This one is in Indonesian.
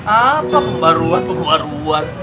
apa pembaruan pembaruan